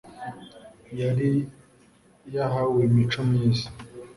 yari yahawimico myiza